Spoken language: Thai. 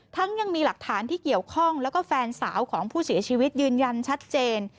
ยังมีหลักฐานที่เกี่ยวข้องแล้วก็แฟนสาวของผู้เสียชีวิตยืนยันชัดเจน